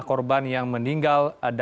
ketika ribuan orang menangis di kota